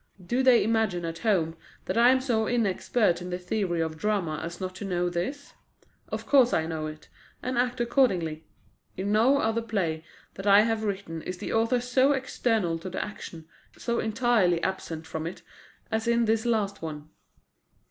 Do they imagine at home that I am so inexpert in the theory of drama as not to know this? Of course I know it, and act accordingly. In no other play that I have written is the author so external to the action, so entirely absent from it, as in this last one."